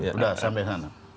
sudah sampai sana